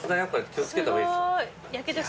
気を付けた方がいい。